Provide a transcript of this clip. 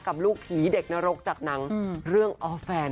กับลูกผีเด็กหนรกจากนังเรื่องเอาแฟนนั่นเอง